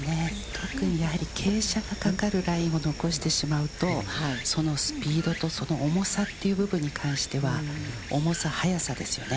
特に傾斜がかかるラインを残してしまうと、そのスピードとその重さという部分に関しては、重さ速さですよね。